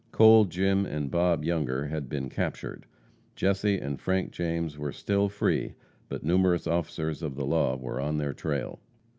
Cole, Jim and Bob Younger had been captured. Jesse and Frank James were still free, but numerous officers of the law were on their trail.